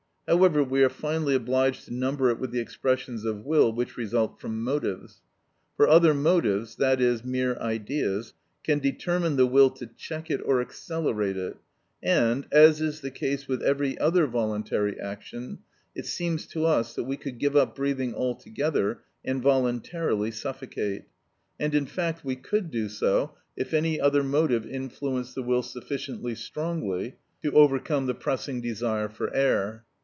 However, we are finally obliged to number it with the expressions of will which result from motives. For other motives, i.e., mere ideas, can determine the will to check it or accelerate it, and, as is the case with every other voluntary action, it seems to us that we could give up breathing altogether and voluntarily suffocate. And in fact we could do so if any other motive influenced the will sufficiently strongly to overcome the pressing desire for air.